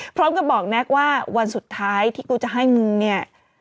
พร้อมกับบอกแน็กว่าวันสุดท้ายที่กูจะให้มึงเนี่ย